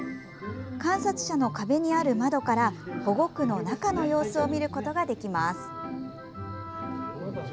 観察舎の壁にある窓から保護区の中の様子を見ることができます。